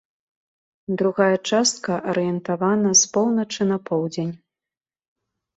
Другая частка арыентавана з поўначы на поўдзень.